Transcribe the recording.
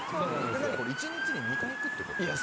１日に２回行くってこと？